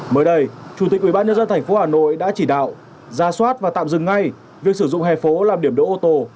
mới đây chủ tịch ubnd tp hà nội đã chỉ đạo ra soát và tạm dừng ngay việc sử dụng hè phố làm điểm đỗ ô tô